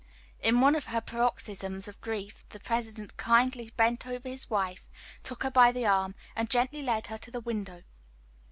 In one of her paroxysms of grief the President kindly bent over his wife, took her by the arm, and gently led her to the window.